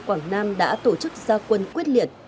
quảng nam đã tổ chức ra quân quyết liệt